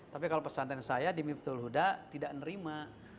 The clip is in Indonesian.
tapi kalau pesantren saya di miftul huda tidak nerima